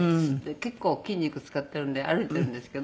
結構筋肉使っているんで歩いているんですけど。